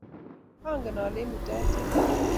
Angen ale imutata